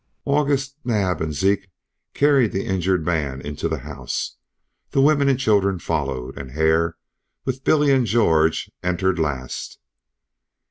August Naab and Zeke carried the injured man into the house. The women and children followed, and Hare, with Billy and George, entered last.